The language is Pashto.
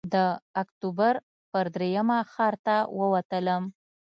د اکتوبر پر درېیمه ښار ته ووتلم.